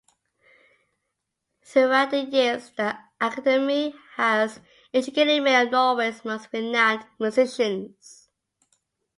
Throughout the years the Academy has educated many of Norway's most renowned musicians.